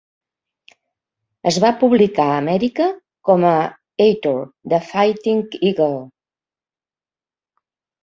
Es va publicar a Amèrica com a "Ator, The Fighting Eagle".